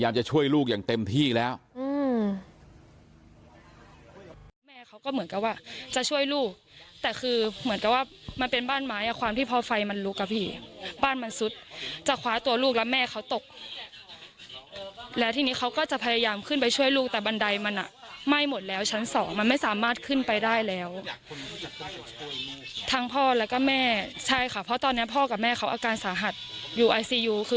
ก็เหมือนกับว่าจะช่วยลูกแต่คือเหมือนกับว่ามันเป็นบ้านไม้อ่ะความที่พ่อไฟมันลุกกับผีบ้านมันสุดจะขวาตัวลูกแล้วแม่เขาตกแล้วที่นี้เขาก็จะพยายามขึ้นไปช่วยลูกแต่บันไดมันอ่ะไม่หมดแล้วชั้นสองมันไม่สามารถขึ้นไปได้แล้วทั้งพ่อแล้วก็แม่ใช่ค่ะเพราะตอนนี้พ่อกับแม่เขาอาการสาหัสอยู่ไอซียูค